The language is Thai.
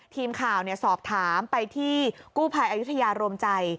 ทีมข่าวสอบถามไปที่กู้ภัยอายุทยารวมใจ